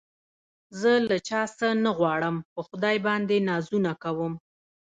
زه له چا څه نه غواړم په خدای باندې نازونه کوم